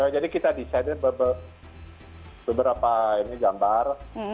jadi kita desain beberapa gambar